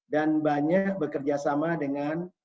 dan banyak bekerja sama dengan